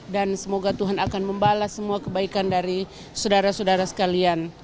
dan semoga tuhan akan membalas semua kebaikan dari saudara saudara sekalian